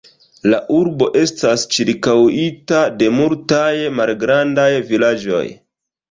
La urbo estas ĉirkaŭita de multaj malgrandaj vilaĝoj.